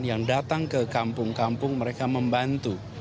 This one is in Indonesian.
yang datang ke kampung kampung mereka membantu